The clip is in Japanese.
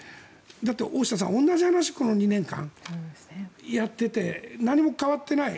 だって大下さん、同じ話をこの２年間やってて何も変わっていない。